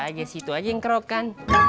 lagi situ aja yang kerokan